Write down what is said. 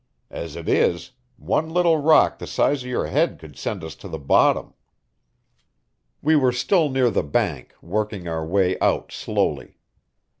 As it is, one little rock the size of your head could send us to the bottom." We were still near the bank, working our way out slowly.